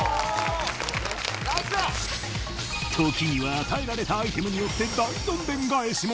時には与えられたアイテムによって大どんでん返しも！？